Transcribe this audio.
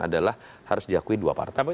adalah harus diakui dua partai